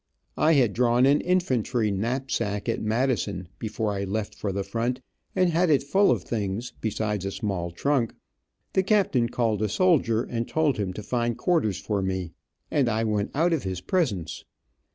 I had drawn an infantry knapsack, at Madison, before I left for the front, and had it full of things, besides a small trunk. The captain called a soldier and told him to find quarters for me, and I went out of his presence.